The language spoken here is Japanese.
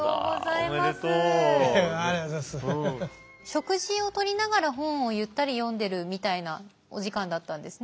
食事をとりながら本をゆったり読んでるみたいなお時間だったんですね。